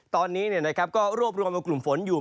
ตอนนี้ก็รวบรวมกลุ่มฝนอยู่